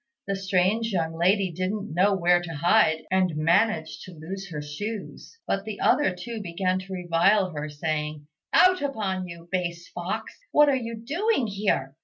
The strange young lady didn't know where to hide, and managed to lose her shoes; but the other two began to revile her, saying, "Out upon you, base fox; what are you doing here?"